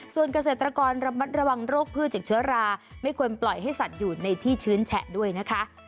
ส่วนเกษตรกรระมัดระวังโรคพืชจากเชื้อราไม่ควรปล่อยให้สัตว์อยู่ในที่ชื้นแฉะด้วยนะคะ